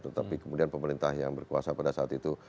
tetapi kemudian pemerintah yang berkuasa pada saat itu